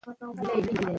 د ستونزو سره مخ شوې دي.